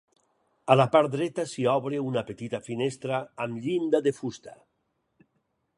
A la part dreta s'hi obre una petita finestra amb llinda de fusta.